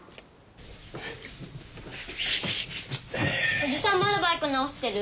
おじさんまだバイク直してる？